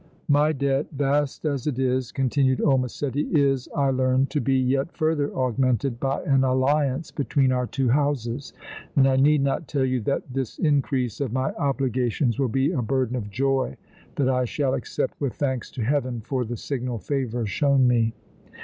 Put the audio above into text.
"My debt, vast as it is," continued old Massetti, "is I learn to be yet further augmented by an alliance between our two houses, and I need not tell you that this increase of my obligations will be a burden of joy that I shall accept with thanks to Heaven for the signal favor shown me!"